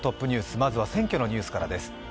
まずは選挙のニュースからです。